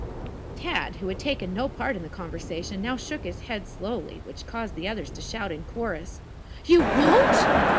Tad, who had taken no part in the conversation, now shook his head slowly, which caused the others to shout in chorus: "You won't!"